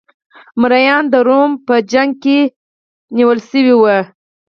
مریان د روم په جګړه کې اسیر شوي وو